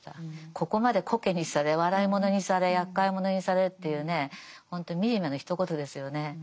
ここまでコケにされ笑い者にされやっかい者にされっていうねほんと惨めのひと言ですよね。